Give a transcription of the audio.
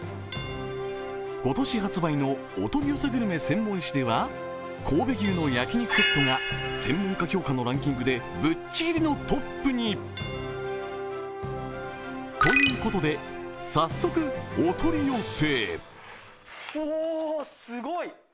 今年発売のお取り寄せグルメ専門誌では神戸牛の焼肉セットが専門家評価のランキングでぶっちぎりのトップに。ということで、早速お取り寄せ。